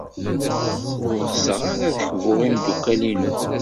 Ur ɣseɣ ara ad kbuɣ imeddukal-inu.